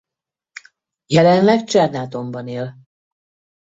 Jelenleg Csernátonban él.